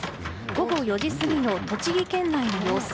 午後４時過ぎの栃木県内の様子。